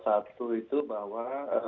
satu itu bahwa